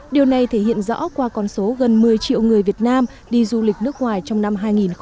điều này thể hiện rõ qua con số gần một mươi triệu người việt nam đi du lịch nước ngoài trong năm hai nghìn một mươi tám